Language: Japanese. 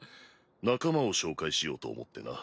仲間を紹介しようと思ってな。